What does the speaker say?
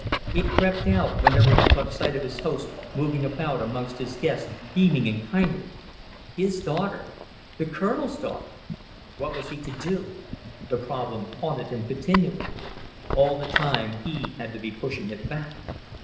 It crept out whenever he caught sight of his host moving about amongst his guests, beaming and kindly. His daughter! The Colonel's daughter! What was he to do? The problem haunted him continually. All the time he had to be pushing it back.